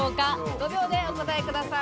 ５秒でお答えください。